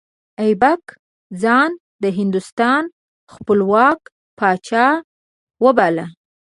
ایبک ځان د هندوستان خپلواک پاچا وباله.